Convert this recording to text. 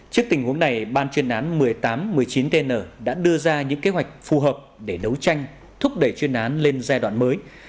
trước tình huống này ban chuyên án một mươi tám một mươi chín tn đã đưa ra những kế hoạch phù hợp để đấu tranh thúc đẩy chuyên án lên giai đoạn mới